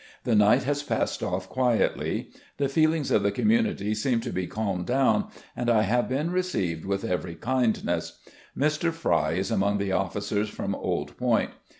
The night has passed ofE quietly. The feelings of the community seem to be calmed down, and I have been received with every kindness. Mr. Fry is among the officers from Old Point.